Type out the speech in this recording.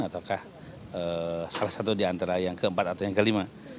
ataukah salah satu diantara yang keempat atau yang kelima